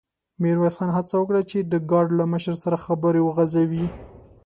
ميرويس خان هڅه وکړه چې د ګارد له مشر سره خبرې وغځوي.